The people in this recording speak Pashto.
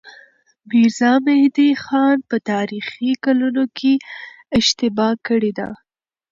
ميرزا مهدي خان په تاريخي کلونو کې اشتباه کړې ده.